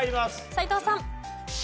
斎藤さん。